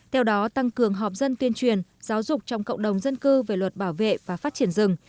theo đó tăng cường họp dân tuyên truyền giáo dục trong cộng đồng dân cư về luật bảo vệ và phát triển rừng